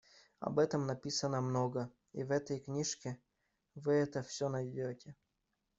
Об этом написано много, и в этой книжке вы это всё найдёте.